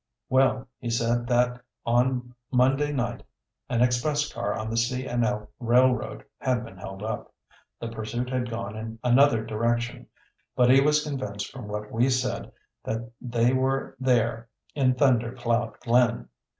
Well, he said that on Monday night an express car on the C. & L. Railroad had been held up. The pursuit had gone in another direction, but he was convinced from what we said that they were there in Thunder Cloud Glen!